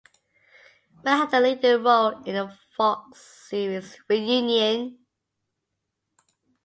Will had a leading role in the Fox series "Reunion".